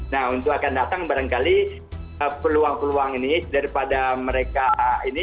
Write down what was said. nah untuk akan datang barangkali peluang peluang ini daripada mereka ini